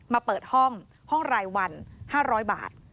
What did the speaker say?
มาเปิดห้องห้องรายวัน๕๐๐บาท